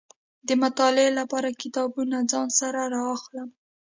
د مطالعې لپاره کتابونه ځان سره را اخلم.